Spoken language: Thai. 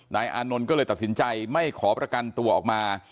อานนท์ก็เลยตัดสินใจไม่ขอประกันตัวออกมา